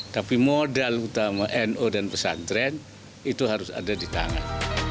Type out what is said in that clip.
tapi modal utama nu dan pesantren itu harus ada di tangan